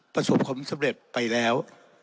ประสบความสำเร็จไปแล้ว